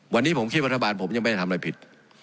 วันนี้ผมคิดว่ารัฐบาลผมยังไม่ได้ทำอะไรผิด